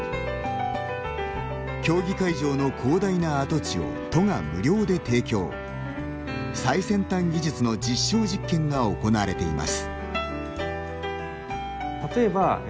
競技会場の広大な跡地を都が無料で提供最先端技術の実証実験が行われています。